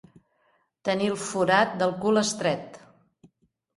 Tenir el forat del cul estret.